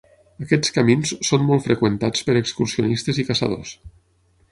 Aquests camins són molt freqüentats per excursionistes i caçadors.